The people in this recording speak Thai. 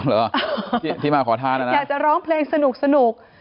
เอาเหรอที่มาขอทานแล้วนะอยากจะร้องเพลงสนุกสนุก